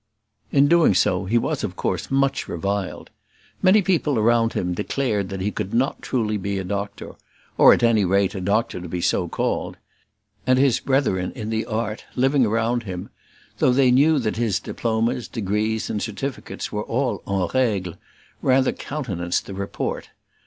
In doing so, he was of course much reviled. Many people around him declared that he could not truly be a doctor, or, at any rate, a doctor to be so called; and his brethren in the art living around him, though they knew that his diplomas, degrees, and certificates were all en règle, rather countenanced the report.